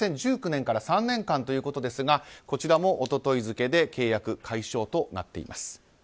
２０１９年から３年間ということですがこちらも一昨日付で契約解消となっています。